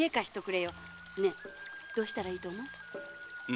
どうしたらいいと思う？